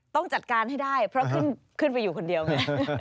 ต้องจัดการให้ได้เพราะขึ้นไปอยู่คนเดียวไง